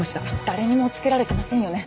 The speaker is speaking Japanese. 誰にもつけられてませんよね？